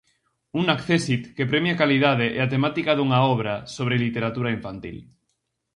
Un accésit que premia a calidade e a temática dunha obra sobre literatura infantil.